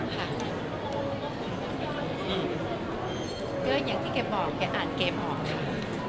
ค่ะเกรดอย่างที่เกรดบอกเกรดอ่านเกรดบอกค่ะ